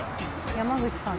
山口さん。